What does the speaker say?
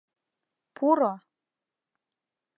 — Пуро!